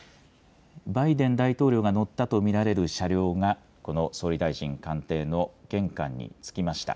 バイデン大統領が乗ったと見られる車両が、この総理大臣官邸の玄関に着きました。